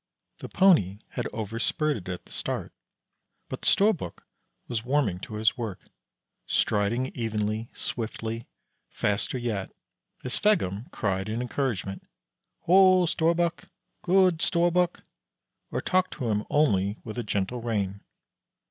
The Pony had over spurted at the start, but the Storbuk was warming to his work striding evenly, swiftly, faster yet, as Sveggum cried in encouragement: "Ho, Storbuk! good Storbuk!" or talked to him only with a gentle rein.